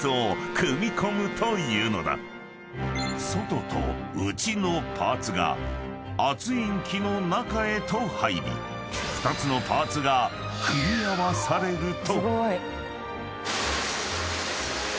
［外と内のパーツが圧印機の中へと入り２つのパーツが組み合わされると］